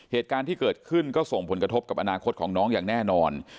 เหตุการณ์ที่เกิดขึ้นก็ส่งผลกระทบกับอนาคตของน้องอย่างแน่นอน